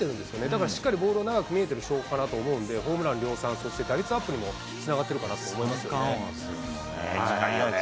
だからボールを長く見えてる証拠かなと思うんで、ホームラン量産、そして打率アップにもつながっているかなと思いますよね。